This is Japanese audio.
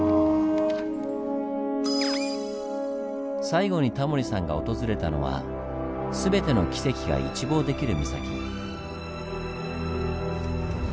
最後にタモリさんが訪れたのは全てのキセキが一望できる岬。